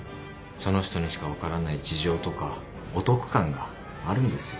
その人にしか分からない事情とかお得感があるんですよ。